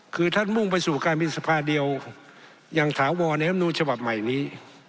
คือท่านมุ่งไปสู่การบินสภาเดียวยังถาวรในรำนูญฉบับใหม่นี้